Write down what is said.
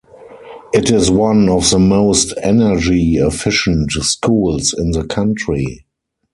It is one of the most energy efficient schools in the country.